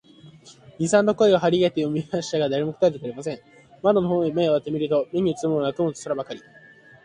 二三度声を張り上げて呼んでみましたが、誰も答えてくれません。窓の方へ目をやって見ると、目にうつるものは雲と空ばかり、